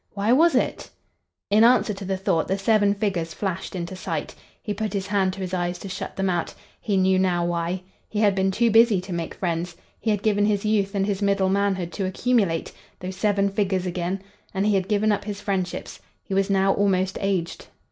Why was it? In answer to the thought the seven figures flashed into sight. He put his hand to his eyes to shut them out. He knew now why. He had been too busy to make friends. He had given his youth and his middle manhood to accumulate—those seven figures again!—And he had given up his friendships. He was now almost aged.